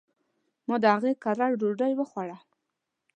ما د هغي کره ډوډي وخوړه